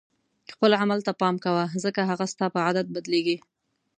خپل عمل ته پام کوه ځکه هغه ستا په عادت بدلیږي.